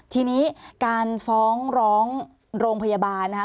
ทีนี้การฟ้องร้องโรงพยาบาลนะคะ